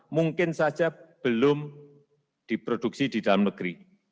mungkin saja belum diproduksi di dalam negeri